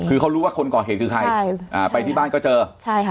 คือเขารู้ว่าคนก่อเหตุคือใครใช่อ่าไปที่บ้านก็เจอใช่ค่ะ